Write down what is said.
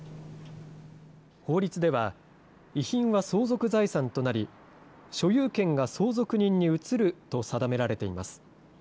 法律では、遺品は相続財産となり、所有権が相続人に移ると定められています。